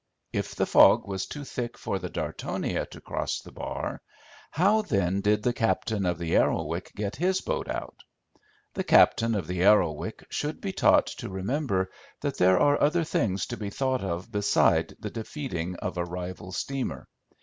If the fog was too thick for the Dartonia to cross the bar, how, then, did the captain of the Arrowic get his boat out? The captain of the Arrowic should be taught to remember that there are other things to be thought of beside the defeating of a rival steamer.